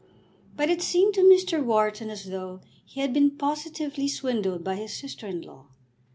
But it seemed to Mr. Wharton as though he had been positively swindled by his sister in law.